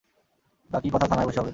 বাকি কথা থানায় বসে হবে।